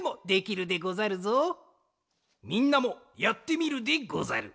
みんなもやってみるでござる。